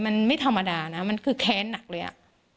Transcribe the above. มันไม่ธรรมดานะมันคือแค้นหนักเลยอ่ะ